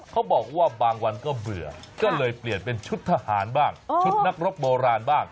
เขาบอกว่าบางวันก็เบื่อก็เลยเปลี่ยนเป็นชุดทหารบ้างชุดนักรบโบราณบ้าง